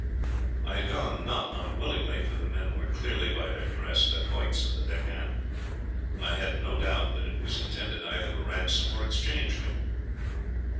I had gone not unwillingly, for the men were clearly, by their dress, Dacoits of the Deccan, and I had no doubt that it was intended either to ransom or exchange me.